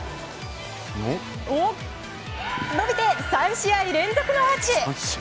伸びて、３試合連続のアーチ！